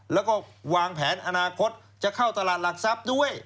แล้วก็วางแผนอนาคตจะเข้าตลาดหลักทรัพย์ด้วย